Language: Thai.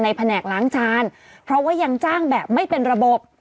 แผนกล้างจานเพราะว่ายังจ้างแบบไม่เป็นระบบ